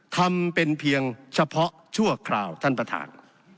ทำเป็นเพียงเฉพาะชั่วคราวท่านประธาน